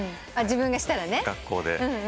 自分がしたらね。